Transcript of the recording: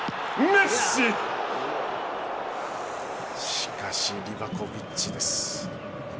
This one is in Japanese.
しかし、リヴァコヴィッチです。